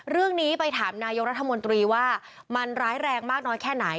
เรื่องนี้ไปถามนายกรัฐมนตรีว่ามันร้ายแรงมากน้อยแค่ไหน